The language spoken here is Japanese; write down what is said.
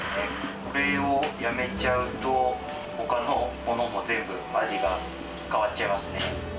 これをやめちゃうと、ほかのものも全部、味が変わっちゃいますね。